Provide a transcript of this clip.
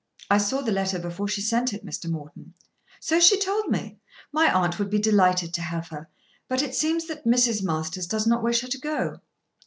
"I saw the letter before she sent it, Mr. Morton." "So she told me. My aunt would be delighted to have her, but it seems that Mrs. Masters does not wish her to go."